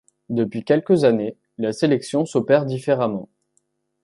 Depuis quelques années, la sélection s'opère différemment.